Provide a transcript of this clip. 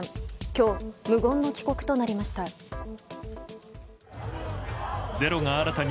今日、無言の帰国となりました。